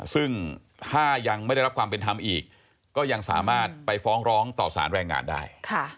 ซึ่งถ้ายังไม่ได้รับความเป็นธรรมอีกก็ยังสามารถไปฟ้องร้องต่อสารแรงงานได้